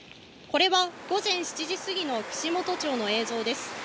これは午前７時過ぎの串本町の映像です。